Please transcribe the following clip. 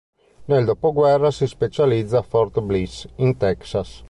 Nel dopoguerra si specializza a Fort Bliss, in Texas.